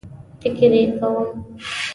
فکر یې کوم